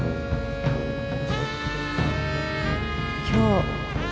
今日